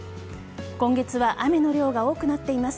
今月は雨の量が多くなっています。